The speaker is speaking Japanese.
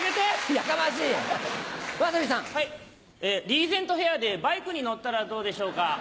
リーゼントヘアでバイクに乗ったらどうでしょうか？